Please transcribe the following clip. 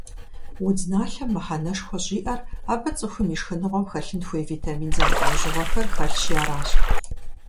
Удзналъэм мыхьэнэшхуэ щӀиӀэр абы цӀыхум и шхыныгъуэм хэлъын хуей витамин зэмылӀэужьыгъуэхэр хэлъщи аращ.